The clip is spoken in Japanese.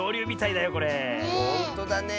ほんとだね。